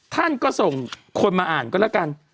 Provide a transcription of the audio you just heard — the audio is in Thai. ท่านก็ส่งคนมาอ่านก็แล้วกัน